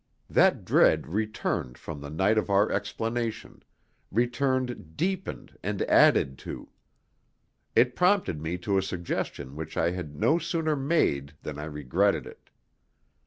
That dread returned from the night of our explanation, returned deepened and added to. It prompted me to a suggestion which I had no sooner made than I regretted it.